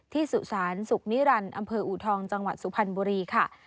สุสานสุขนิรันดิ์อำเภออูทองจังหวัดสุพรรณบุรีค่ะ